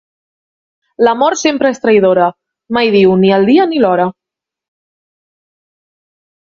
La mort sempre és traïdora: mai diu, ni el dia ni l'hora.